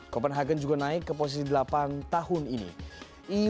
copenhagen juga naik ke posisi delapan tahun ini